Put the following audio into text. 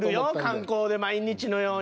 観光で毎日のように。